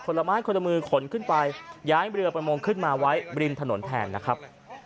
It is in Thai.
ละไม้คนละมือขนขึ้นไปย้ายเรือประมงขึ้นมาไว้ริมถนนแทนนะครับ